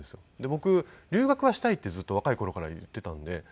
僕留学はしたいってずっと若い頃から言っていたんで。